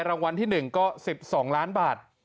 รางวัลที่๑ก็๑๒ล้านบาท